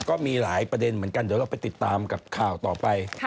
ก็มีหลายประเด็นเหมือนกันเดี๋ยวเราไปติดตามกับข่าวต่อไป